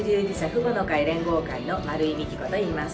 父母の会連合会の圓井美貴子といいます。